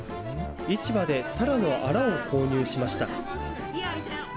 市場でタラのあらを購入しました。